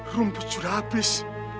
rumput sudah habis